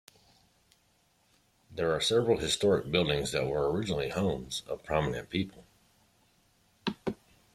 There are several historic buildings that were originally homes of prominent people.